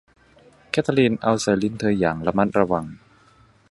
แคททาลีนเอาใส่ลิ้นเธออย่างระมัดระวัง